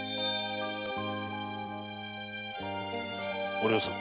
お涼さん